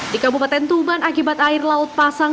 di kabupaten tuban akibat air laut pasang